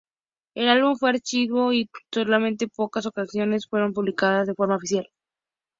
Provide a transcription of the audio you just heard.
El álbum fue archivado, y solamente unas pocas canciones fueron publicadas de forma oficial.